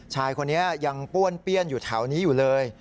ชายคนนี้ยังป้วนเปี้ยนอยู่แถวนี้อยู่เลย